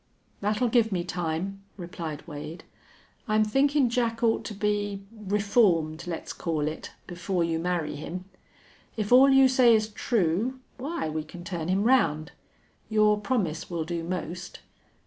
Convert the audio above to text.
"That'll give me time," replied Wade. "I'm thinkin' Jack ought to be reformed, let's call it before you marry him. If all you say is true why we can turn him round. Your promise will do most....